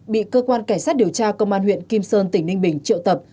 bị cơ quan cảnh sát điều tra công an huyện kim sơn tỉnh ninh bình triệu tập